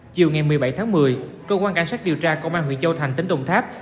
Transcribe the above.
chiều ngày một mươi bảy tháng một mươi cơ quan cảnh sát điều tra công an huyện châu thành tỉnh đồng tháp